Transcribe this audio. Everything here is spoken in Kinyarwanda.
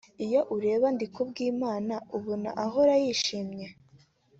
Iyo ureba Ndikubwimana ubona ahora yishimye